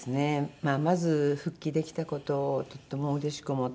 まあまず復帰できた事をとてもうれしく思っています。